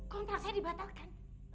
kontrak saya dibatalkan